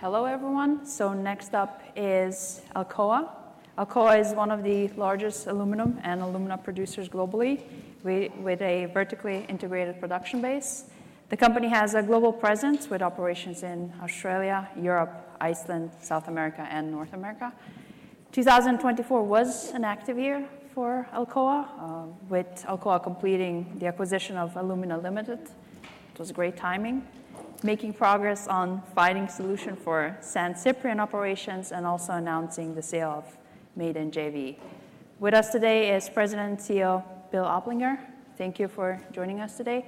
Hello, everyone. So next up is Alcoa. Alcoa is one of the largest aluminum and alumina producers globally, with a vertically integrated production base. The company has a global presence with operations in Australia, Europe, Iceland, South America, and North America. 2024 was an active year for Alcoa, with Alcoa completing the acquisition of Alumina Limited. It was great timing, making progress on finding a solution for San Ciprián operations and also announcing the sale of Ma'aden JV. With us today is President and CEO Bill Oplinger. Thank you for joining us today.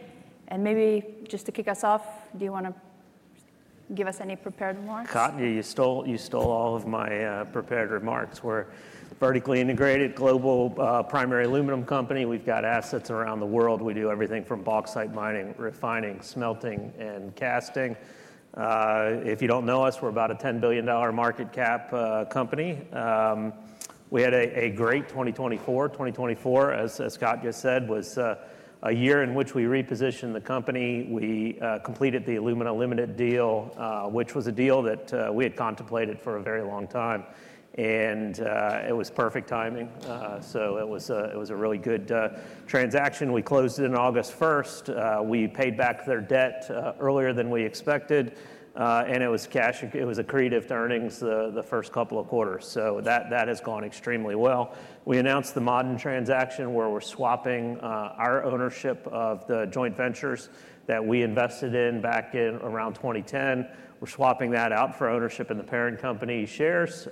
And maybe just to kick us off, do you want to give us any prepared remarks? Cut, you stole all of my prepared remarks. We're a vertically integrated, global primary aluminum company. We've got assets around the world. We do everything from bauxite mining, refining, smelting, and casting. If you don't know us, we're about a $10 billion market cap company. We had a great 2024. 2024, as Scott just said, was a year in which we repositioned the company. We completed the Alumina Limited deal, which was a deal that we had contemplated for a very long time, and it was perfect timing, so it was a really good transaction. We closed it on August 1st. We paid back their debt earlier than we expected, and it was accretive to earnings the first couple of quarters, so that has gone extremely well. We announced the Ma'aden transaction where we're swapping our ownership of the joint ventures that we invested in back in around 2010. We're swapping that out for ownership in the parent company shares.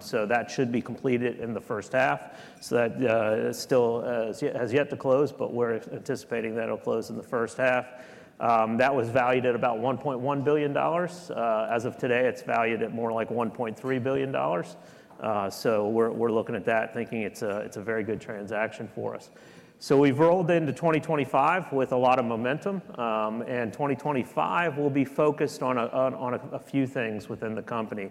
So that should be completed in the first half. So that still has yet to close, but we're anticipating that it'll close in the first half. That was valued at about $1.1 billion. As of today, it's valued at more like $1.3 billion. So we're looking at that, thinking it's a very good transaction for us. So we've rolled into 2025 with a lot of momentum. And 2025 will be focused on a few things within the company.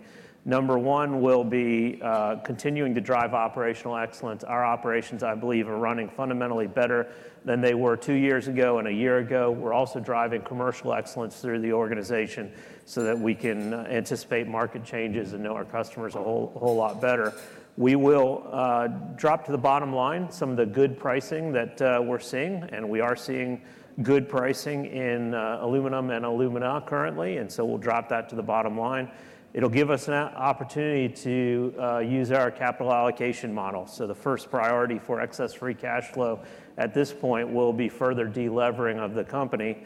Number one will be continuing to drive operational excellence. Our operations, I believe, are running fundamentally better than they were two years ago and a year ago. We're also driving commercial excellence through the organization so that we can anticipate market changes and know our customers a whole lot better. We will drop to the bottom line some of the good pricing that we're seeing. And we are seeing good pricing in aluminum and alumina currently. And so we'll drop that to the bottom line. It'll give us an opportunity to use our capital allocation model. So the first priority for excess free cash flow at this point will be further delevering of the company.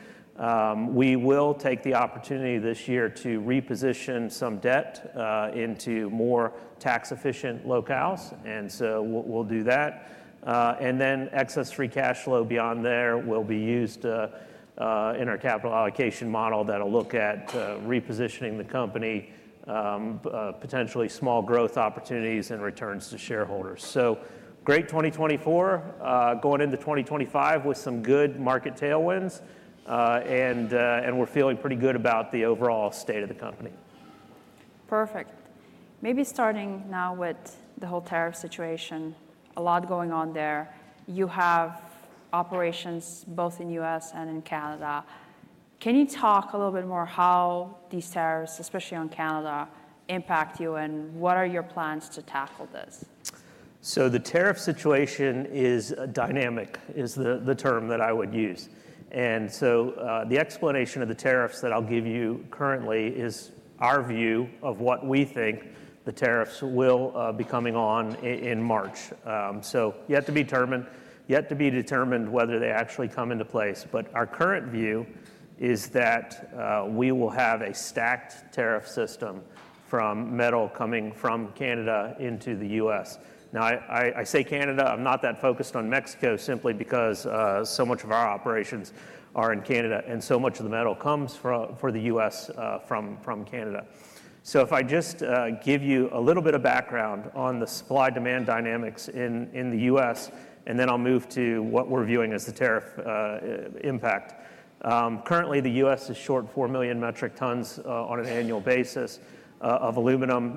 We will take the opportunity this year to reposition some debt into more tax-efficient locales. And so we'll do that. And then excess free cash flow beyond there will be used in our capital allocation model that'll look at repositioning the company, potentially small growth opportunities and returns to shareholders. So great 2024. Going into 2025 with some good market tailwinds. And we're feeling pretty good about the overall state of the company. Perfect. Maybe starting now with the whole tariff situation, a lot going on there. You have operations both in the U.S. and in Canada. Can you talk a little bit more how these tariffs, especially on Canada, impact you and what are your plans to tackle this? The tariff situation is dynamic, is the term that I would use. And so the explanation of the tariffs that I'll give you currently is our view of what we think the tariffs will be coming on in March. Yet to be determined whether they actually come into place. But our current view is that we will have a stacked tariff system from metal coming from Canada into the U.S. Now, I say Canada. I'm not that focused on Mexico simply because so much of our operations are in Canada and so much of the metal comes for the U.S. from Canada. So if I just give you a little bit of background on the supply-demand dynamics in the U.S., and then I'll move to what we're viewing as the tariff impact. Currently, the U.S. is short 4 million metric tons on an annual basis of aluminum.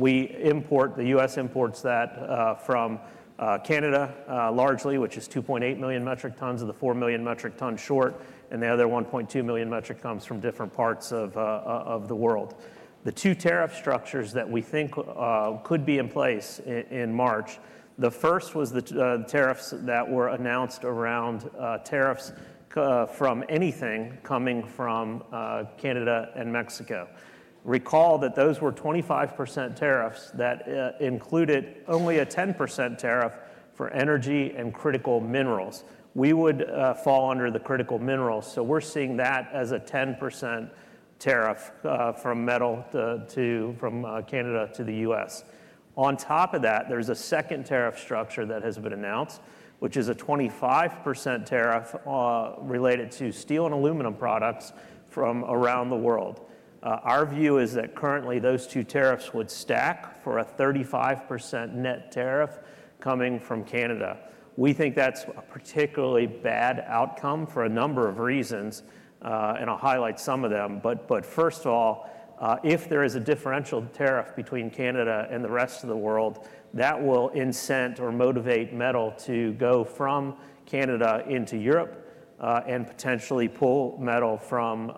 The U.S. imports that from Canada largely, which is 2.8 million metric tons of the 4 million metric tons short, and the other 1.2 million metric tons from different parts of the world. The two tariff structures that we think could be in place in March, the first was the tariffs that were announced around tariffs from anything coming from Canada and Mexico. Recall that those were 25% tariffs that included only a 10% tariff for energy and critical minerals. We would fall under the critical minerals. So we're seeing that as a 10% tariff from metal from Canada to the U.S. On top of that, there's a second tariff structure that has been announced, which is a 25% tariff related to steel and aluminum products from around the world. Our view is that currently those two tariffs would stack for a 35% net tariff coming from Canada. We think that's a particularly bad outcome for a number of reasons, and I'll highlight some of them. But first of all, if there is a differential tariff between Canada and the rest of the world, that will incent or motivate metal to go from Canada into Europe and potentially pull metal from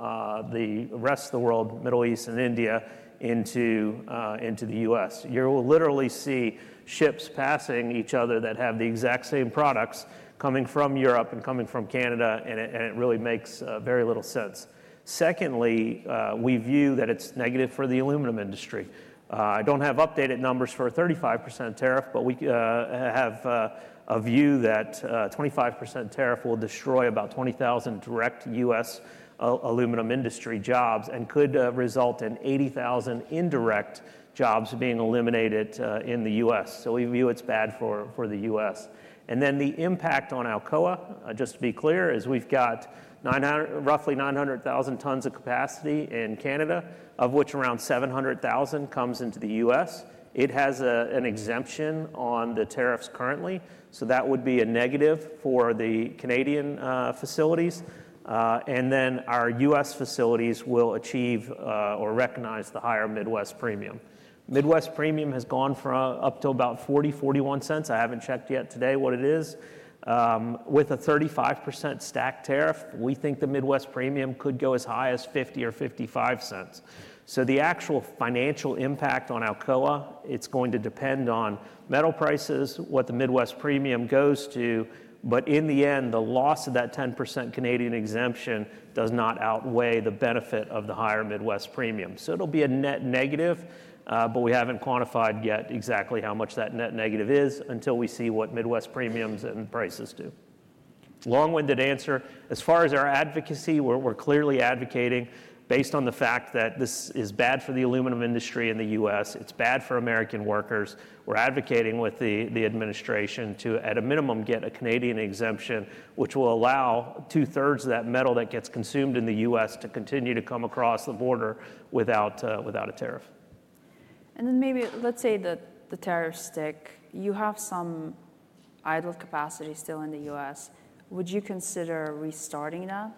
the rest of the world, Middle East and India, into the U.S. You will literally see ships passing each other that have the exact same products coming from Europe and coming from Canada, and it really makes very little sense. Secondly, we view that it's negative for the aluminum industry. I don't have updated numbers for a 35% tariff, but we have a view that a 25% tariff will destroy about 20,000 direct U.S. aluminum industry jobs and could result in 80,000 indirect jobs being eliminated in the U.S. So we view it's bad for the U.S. And then the impact on Alcoa, just to be clear, is we've got roughly 900,000 tons of capacity in Canada, of which around 700,000 comes into the U.S. It has an exemption on the tariffs currently. So that would be a negative for the Canadian facilities. And then our U.S. facilities will achieve or recognize the higher Midwest Premium. Midwest Premium has gone up to about $0.40-$0.41. I haven't checked yet today what it is. With a 35% stacked tariff, we think the Midwest Premium could go as high as $0.50 or $0.55. So the actual financial impact on Alcoa, it's going to depend on metal prices, what the Midwest Premium goes to. But in the end, the loss of that 10% Canadian exemption does not outweigh the benefit of the higher Midwest Premium. So it'll be a net negative, but we haven't quantified yet exactly how much that net negative is until we see what Midwest premiums and prices do. Long-winded answer. As far as our advocacy, we're clearly advocating based on the fact that this is bad for the aluminum industry in the U.S. It's bad for American workers. We're advocating with the administration to, at a minimum, get a Canadian exemption, which will allow two-thirds of that metal that gets consumed in the U.S. to continue to come across the border without a tariff. And then maybe let's say that the tariffs stick. You have some idle capacity still in the U.S. Would you consider restarting that?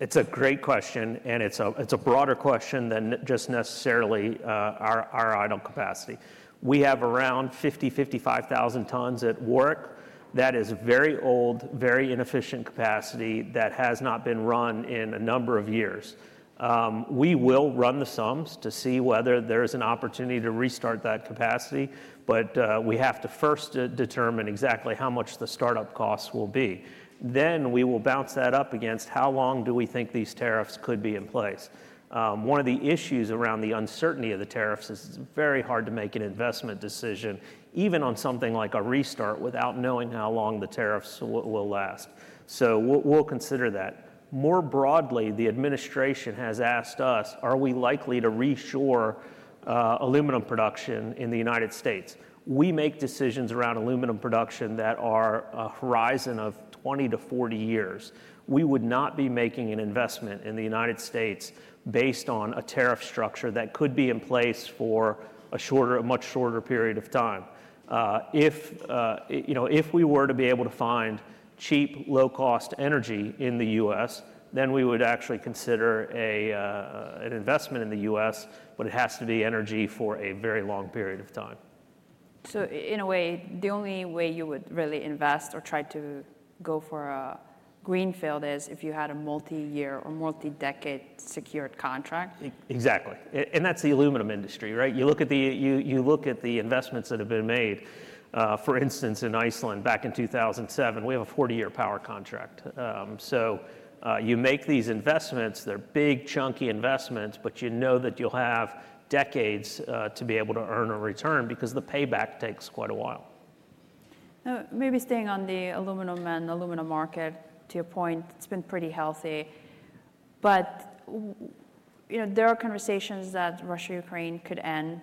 It's a great question, and it's a broader question than just necessarily our idle capacity. We have around 50-55,000 tons at Warrick. That is very old, very inefficient capacity that has not been run in a number of years. We will run the sums to see whether there is an opportunity to restart that capacity. But we have to first determine exactly how much the startup costs will be. Then we will bounce that up against how long do we think these tariffs could be in place. One of the issues around the uncertainty of the tariffs is it's very hard to make an investment decision, even on something like a restart, without knowing how long the tariffs will last. So we'll consider that. More broadly, the administration has asked us, are we likely to reshore aluminum production in the United States? We make decisions around aluminum production that are a horizon of 20 to 40 years. We would not be making an investment in the United States based on a tariff structure that could be in place for a much shorter period of time. If we were to be able to find cheap, low-cost energy in the US, then we would actually consider an investment in the US, but it has to be energy for a very long period of time. In a way, the only way you would really invest or try to go for a greenfield is if you had a multi-year or multi-decade secured contract? Exactly. And that's the aluminum industry, right? You look at the investments that have been made. For instance, in Iceland back in 2007, we have a 40-year power contract. So you make these investments. They're big, chunky investments, but you know that you'll have decades to be able to earn a return because the payback takes quite a while. Maybe staying on the aluminum and alumina market, to your point, it's been pretty healthy, but there are conversations that Russia-Ukraine could end.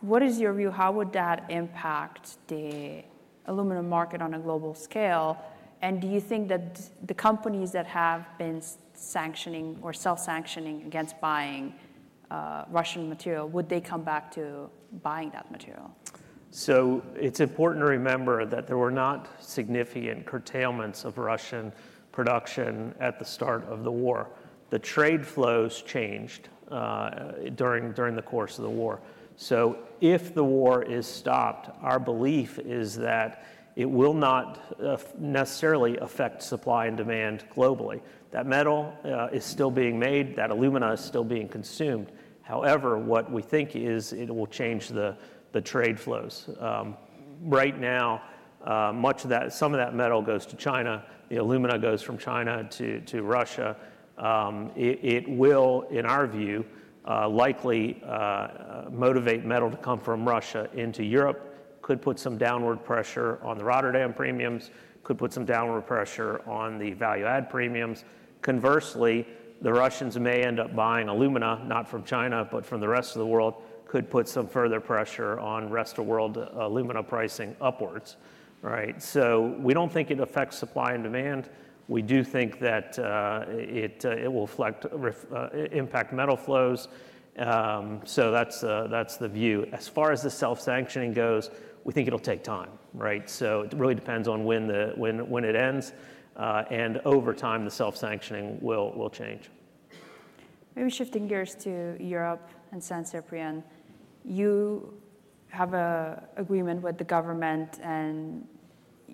What is your view? How would that impact the aluminum market on a global scale? And do you think that the companies that have been sanctioning or self-sanctioning against buying Russian material would come back to buying that material? So it's important to remember that there were not significant curtailments of Russian production at the start of the war. The trade flows changed during the course of the war. So if the war is stopped, our belief is that it will not necessarily affect supply and demand globally. That metal is still being made. That alumina is still being consumed. However, what we think is it will change the trade flows. Right now, some of that metal goes to China. The alumina goes from China to Russia. It will, in our view, likely motivate metal to come from Russia into Europe. Could put some downward pressure on the Rotterdam premiums. Could put some downward pressure on the value-add premiums. Conversely, the Russians may end up buying alumina, not from China, but from the rest of the world. Could put some further pressure on the rest of the world, alumina pricing upwards, so we don't think it affects supply and demand. We do think that it will impact metal flows, so that's the view. As far as the self-sanctioning goes, we think it'll take time, so it really depends on when it ends, and over time, the self-sanctioning will change. Maybe shifting gears to Europe and San Ciprián. You have an agreement with the government, and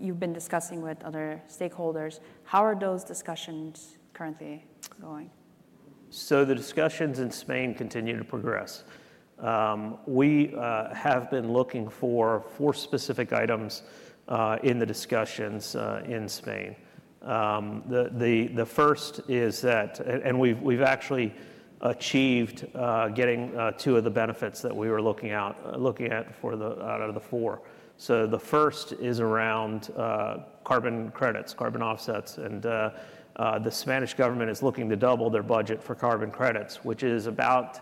you've been discussing with other stakeholders. How are those discussions currently going? So the discussions in Spain continue to progress. We have been looking for four specific items in the discussions in Spain. The first is that, and we've actually achieved getting two of the benefits that we were looking at out of the four. So the first is around carbon credits, carbon offsets. And the Spanish government is looking to double their budget for carbon credits, which is about,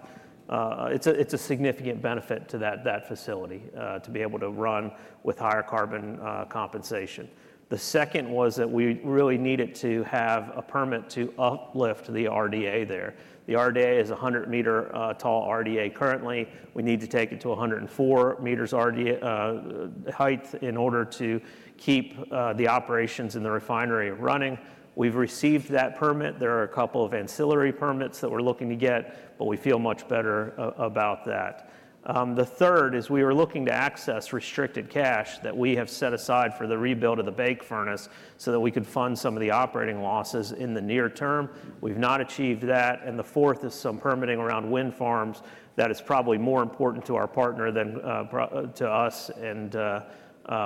it's a significant benefit to that facility to be able to run with higher carbon compensation. The second was that we really needed to have a permit to uplift the RDA there. The RDA is a 100-meter-tall RDA currently. We need to take it to 104 meters height in order to keep the operations in the refinery running. We've received that permit. There are a couple of ancillary permits that we're looking to get, but we feel much better about that. The third is we were looking to access restricted cash that we have set aside for the rebuild of the bake furnace so that we could fund some of the operating losses in the near term. We've not achieved that, and the fourth is some permitting around wind farms that is probably more important to our partner than to us, and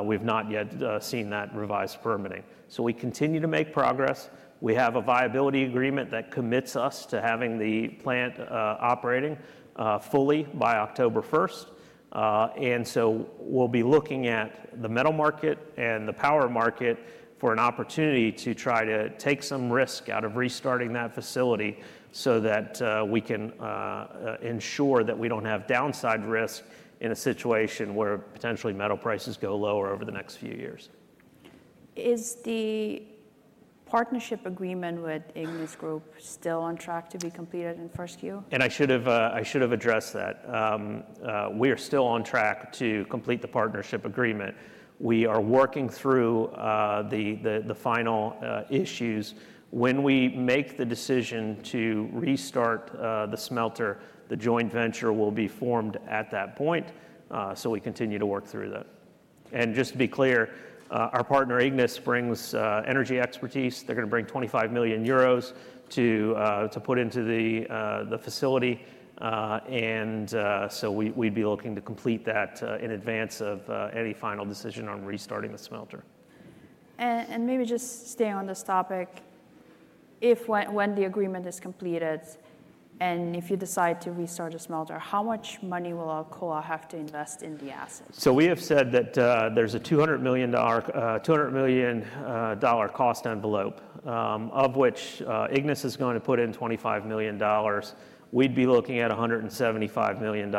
we've not yet seen that revised permitting, so we continue to make progress. We have a viability agreement that commits us to having the plant operating fully by October 1st, and so we'll be looking at the metal market and the power market for an opportunity to try to take some risk out of restarting that facility so that we can ensure that we don't have downside risk in a situation where potentially metal prices go lower over the next few years. Is the partnership agreement with Ignis Group still on track to be completed in first year? I should have addressed that. We are still on track to complete the partnership agreement. We are working through the final issues. When we make the decision to restart the smelter, the joint venture will be formed at that point. We continue to work through that. Just to be clear, our partner Ignis brings energy expertise. They're going to bring 25 million euros to put into the facility. We'd be looking to complete that in advance of any final decision on restarting the smelter. Maybe just stay on this topic. If when the agreement is completed and if you decide to restart a smelter, how much money will Alcoa have to invest in the assets? So we have said that there's a $200 million cost envelope, of which Ignis is going to put in $25 million. We'd be looking at $175 million.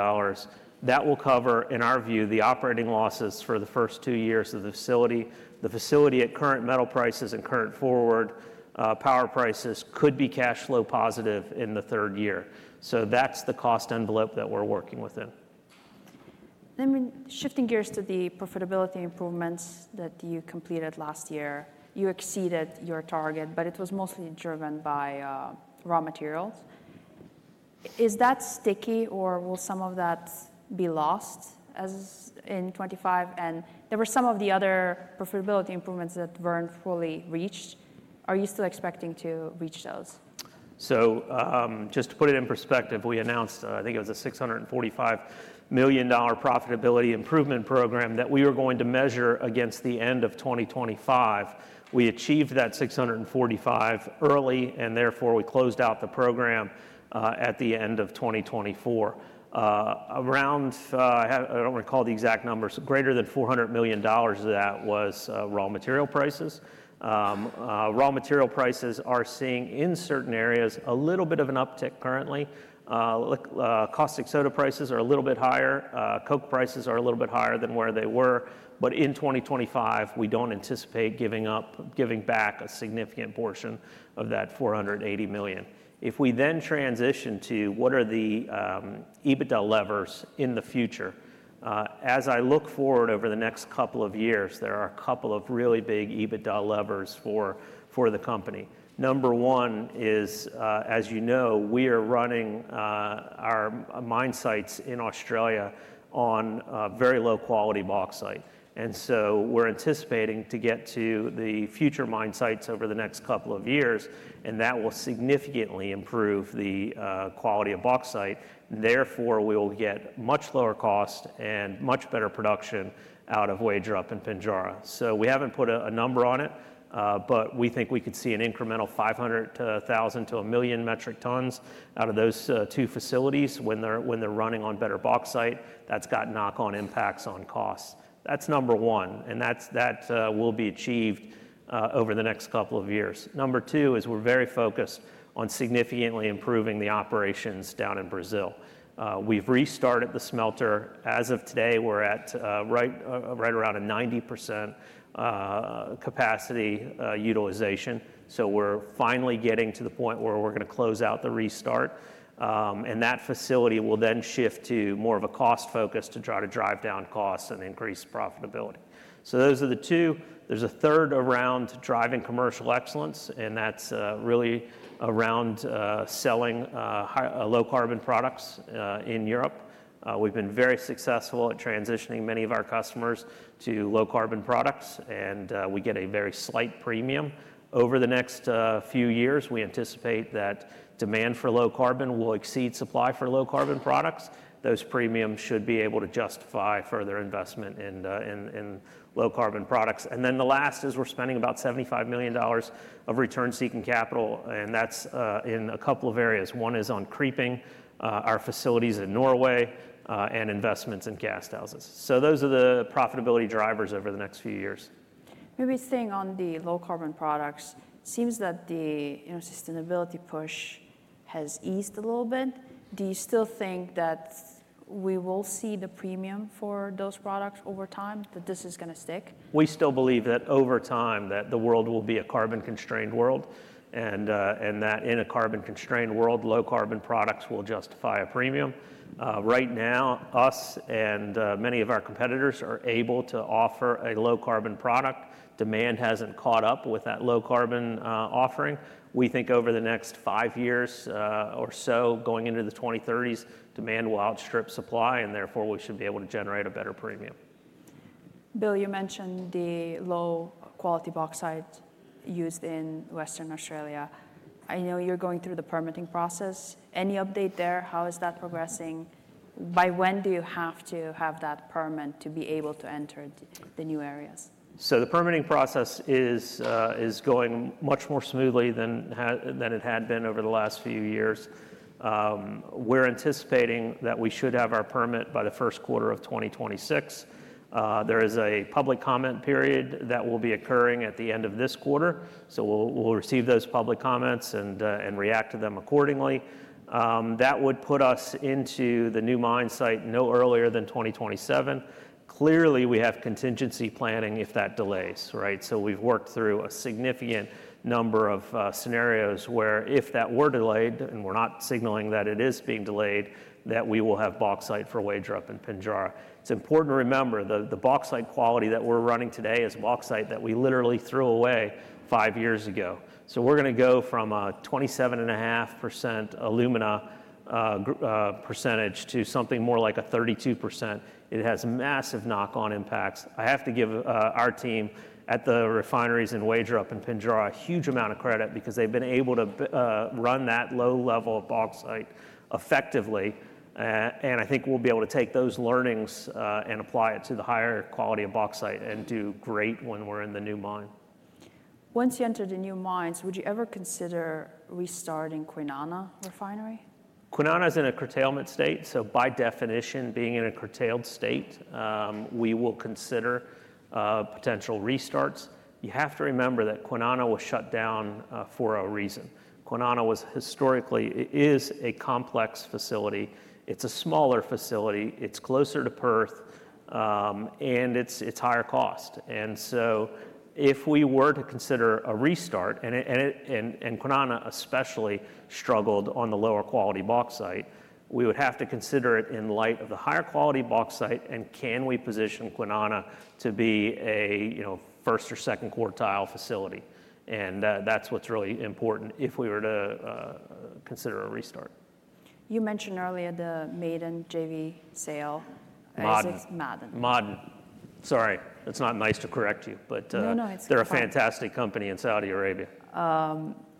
That will cover, in our view, the operating losses for the first two years of the facility. The facility at current metal prices and current forward power prices could be cash flow positive in the third year. So that's the cost envelope that we're working within. Shifting gears to the profitability improvements that you completed last year. You exceeded your target, but it was mostly driven by raw materials. Is that sticky, or will some of that be lost in 2025? And there were some of the other profitability improvements that weren't fully reached. Are you still expecting to reach those? So just to put it in perspective, we announced, I think it was a $645 million profitability improvement program that we were going to measure against the end of 2025. We achieved that $645 early, and therefore we closed out the program at the end of 2024. Around, I don't recall the exact numbers, greater than $400 million of that was raw material prices. Raw material prices are seeing in certain areas a little bit of an uptick currently. Caustic soda prices are a little bit higher. Coke prices are a little bit higher than where they were. But in 2025, we don't anticipate giving back a significant portion of that $480 million. If we then transition to what are the EBITDA levers in the future, as I look forward over the next couple of years, there are a couple of really big EBITDA levers for the company. Number one is, as you know, we are running our mine sites in Australia on very low-quality bauxite. And so we're anticipating to get to the future mine sites over the next couple of years, and that will significantly improve the quality of bauxite. Therefore, we will get much lower cost and much better production out of Wagerup and Pinjarra. So we haven't put a number on it, but we think we could see an incremental 500,000-1 million metric tons out of those two facilities when they're running on better bauxite. That's got knock-on impacts on costs. That's number one, and that will be achieved over the next couple of years. Number two is we're very focused on significantly improving the operations down in Brazil. We've restarted the smelter. As of today, we're at right around 90% capacity utilization. So we're finally getting to the point where we're going to close out the restart. And that facility will then shift to more of a cost focus to try to drive down costs and increase profitability. So those are the two. There's a third around driving commercial excellence, and that's really around selling low-carbon products in Europe. We've been very successful at transitioning many of our customers to low-carbon products, and we get a very slight premium. Over the next few years, we anticipate that demand for low carbon will exceed supply for low-carbon products. Those premiums should be able to justify further investment in low-carbon products. And then the last is we're spending about $75 million of return-seeking capital, and that's in a couple of areas. One is on creeping, our facilities in Norway, and investments in casthouses. So those are the profitability drivers over the next few years. Maybe staying on the low-carbon products, it seems that the sustainability push has eased a little bit. Do you still think that we will see the premium for those products over time, that this is going to stick? We still believe that over time that the world will be a carbon-constrained world and that in a carbon-constrained world, low-carbon products will justify a premium. Right now, us and many of our competitors are able to offer a low-carbon product. Demand hasn't caught up with that low-carbon offering. We think over the next five years or so, going into the 2030s, demand will outstrip supply, and therefore we should be able to generate a better premium. Bill, you mentioned the low-quality bauxite used in Western Australia. I know you're going through the permitting process. Any update there? How is that progressing? By when do you have to have that permit to be able to enter the new areas? The permitting process is going much more smoothly than it had been over the last few years. We're anticipating that we should have our permit by the first quarter of 2026. There is a public comment period that will be occurring at the end of this quarter. So we'll receive those public comments and react to them accordingly. That would put us into the new mine site no earlier than 2027. Clearly, we have contingency planning if that delays. So we've worked through a significant number of scenarios where if that were delayed and we're not signaling that it is being delayed, that we will have bauxite for Wagerup and Pinjarra. It's important to remember the bauxite quality that we're running today is bauxite that we literally threw away five years ago. So we're going to go from a 27.5% alumina percentage to something more like a 32%. It has massive knock-on impacts. I have to give our team at the refineries in Wagerup and Pinjarra a huge amount of credit because they've been able to run that low level of bauxite effectively, and I think we'll be able to take those learnings and apply it to the higher quality of bauxite and do great when we're in the new mine. Once you enter the new mines, would you ever consider restarting Kwinana Refinery? Kwinana is in a curtailment state, so by definition, being in a curtailed state, we will consider potential restarts. You have to remember that Kwinana was shut down for a reason. Kwinana was historically, it is a complex facility. It's a smaller facility. It's closer to Perth, and it's higher cost, and so if we were to consider a restart, and Kwinana especially struggled on the lower quality bauxite, we would have to consider it in light of the higher quality bauxite and can we position Kwinana to be a first or second quartile facility, and that's what's really important if we were to consider a restart. You mentioned earlier the Ma'aden JV sale. Ma'aden. Sorry, it's not nice to correct you, but they're a fantastic company in Saudi Arabia.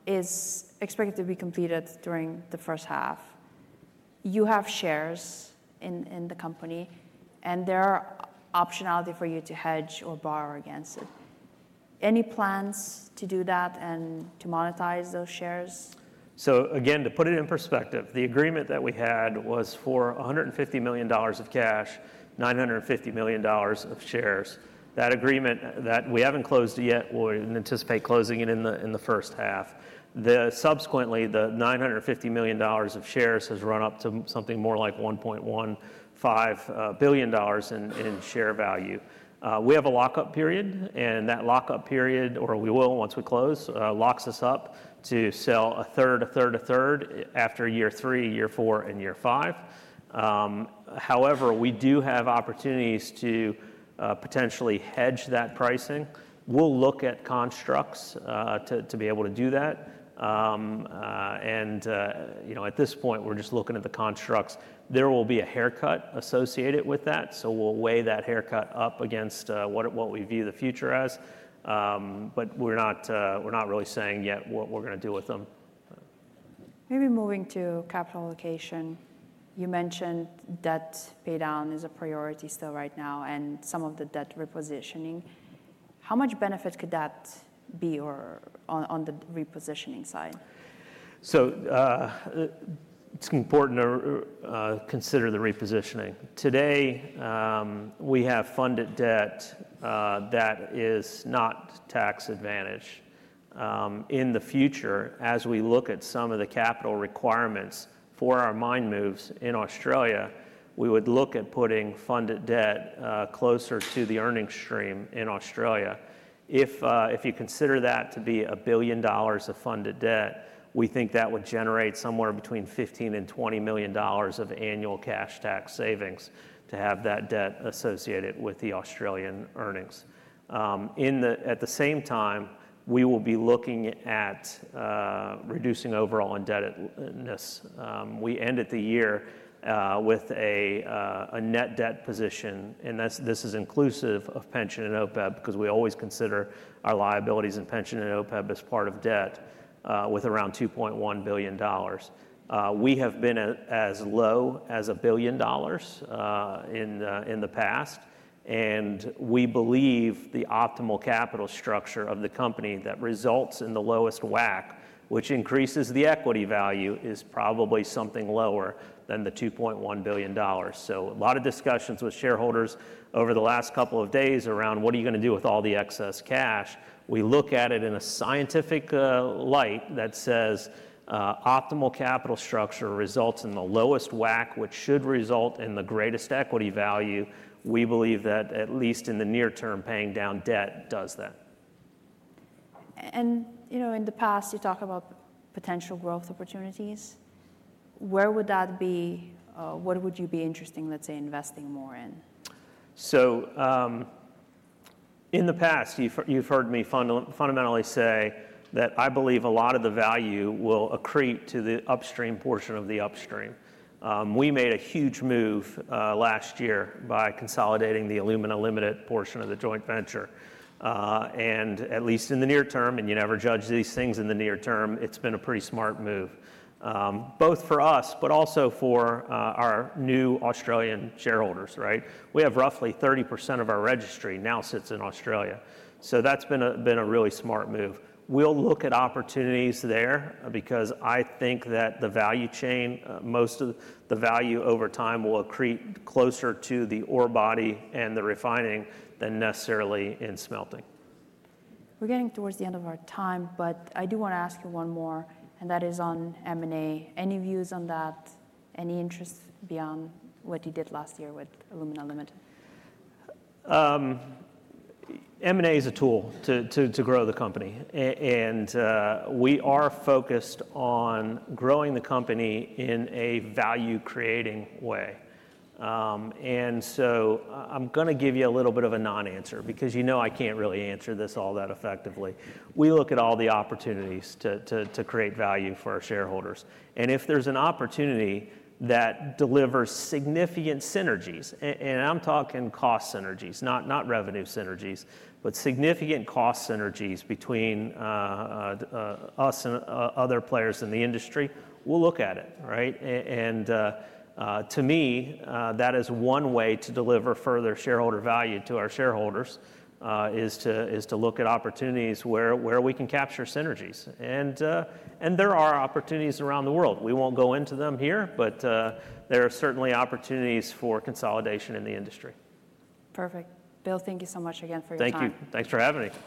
Is expected to be completed during the first half. You have shares in the company, and there are optionality for you to hedge or borrow against it. Any plans to do that and to monetize those shares? So again, to put it in perspective, the agreement that we had was for $150 million of cash, $950 million of shares. That agreement that we haven't closed yet, we anticipate closing it in the first half. Subsequently, the $950 million of shares has run up to something more like $1.15 billion in share value. We have a lockup period, and that lockup period, or we will once we close, locks us up to sell a third, a third, a third after year three, year four, and year five. However, we do have opportunities to potentially hedge that pricing. We'll look at constructs to be able to do that. And at this point, we're just looking at the constructs. There will be a haircut associated with that, so we'll weigh that haircut up against what we view the future as. But we're not really saying yet what we're going to do with them. Maybe moving to capital allocation. You mentioned debt paydown is a priority still right now and some of the debt repositioning. How much benefit could that be on the repositioning side? It's important to consider the repositioning. Today, we have funded debt that is not tax advantaged. In the future, as we look at some of the capital requirements for our mine moves in Australia, we would look at putting funded debt closer to the earnings stream in Australia. If you consider that to be $1 billion of funded debt, we think that would generate somewhere between $15-$20 million of annual cash tax savings to have that debt associated with the Australian earnings. At the same time, we will be looking at reducing overall indebtedness. We ended the year with a net debt position, and this is inclusive of pension and OPEB because we always consider our liabilities in pension and OPEB as part of debt with around $2.1 billion. We have been as low as $1 billion in the past, and we believe the optimal capital structure of the company that results in the lowest WACC, which increases the equity value, is probably something lower than the $2.1 billion. So a lot of discussions with shareholders over the last couple of days around what are you going to do with all the excess cash. We look at it in a scientific light that says optimal capital structure results in the lowest WACC, which should result in the greatest equity value. We believe that at least in the near term, paying down debt does that. In the past, you talk about potential growth opportunities. Where would that be? What would you be interesting, let's say, investing more in? In the past, you've heard me fundamentally say that I believe a lot of the value will accrete to the upstream portion of the upstream. We made a huge move last year by consolidating the Alumina Limited portion of the joint venture, and at least in the near term, and you never judge these things in the near term, it's been a pretty smart move, both for us, but also for our new Australian shareholders. We have roughly 30% of our registry now sits in Australia, so that's been a really smart move. We'll look at opportunities there because I think that the value chain, most of the value over time will accrete closer to the ore body and the refining than necessarily in smelting. We're getting towards the end of our time, but I do want to ask you one more, and that is on M&A. Any views on that? Any interest beyond what you did last year with Alumina Limited? M&A is a tool to grow the company, and we are focused on growing the company in a value-creating way. And so I'm going to give you a little bit of a non-answer because you know I can't really answer this all that effectively. We look at all the opportunities to create value for our shareholders. And if there's an opportunity that delivers significant synergies, and I'm talking cost synergies, not revenue synergies, but significant cost synergies between us and other players in the industry, we'll look at it. And to me, that is one way to deliver further shareholder value to our shareholders is to look at opportunities where we can capture synergies. And there are opportunities around the world. We won't go into them here, but there are certainly opportunities for consolidation in the industry. Perfect. Bill, thank you so much again for your time. Thank you. Thanks for having me.